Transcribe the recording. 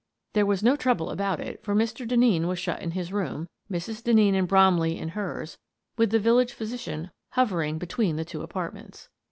There was no trouble about it, for Mr. Denneen was shut in his room, Mrs. Denneen and Bromley in hers, with the village physician hover ing between the two apartments.